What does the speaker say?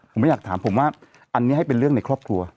ผมไม่อยากถามผมว่าอันนี้ให้เป็นเรื่องในครอบครัว